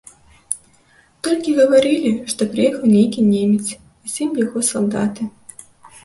Толькі гаварылі, што прыехаў нейкі немец і з ім яго салдаты.